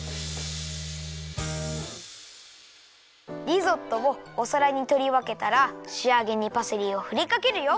リゾットをおさらにとりわけたらしあげにパセリをふりかけるよ。